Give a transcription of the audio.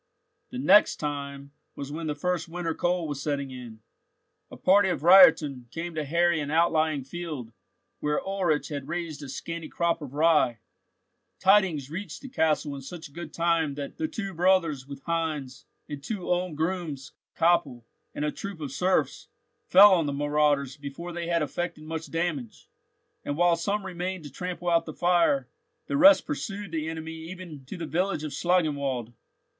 The "next time" was when the first winter cold was setting in. A party of reitern came to harry an outlying field, where Ulrich had raised a scanty crop of rye. Tidings reached the castle in such good time that the two brothers, with Heinz, the two Ulm grooms, Koppel, and a troop of serfs, fell on the marauders before they had effected much damage, and while some remained to trample out the fire, the rest pursued the enemy even to the village of Schlangenwald.